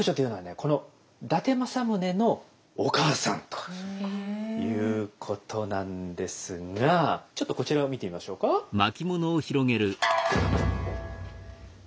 この伊達政宗のお母さんということなんですがちょっとこちらを見てみましょうか。ということなんです。